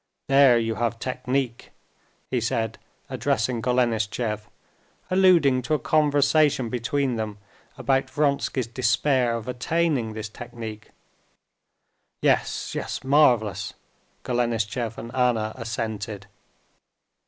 There you have technique," he said, addressing Golenishtchev, alluding to a conversation between them about Vronsky's despair of attaining this technique. "Yes, yes, marvelous!" Golenishtchev and Anna assented.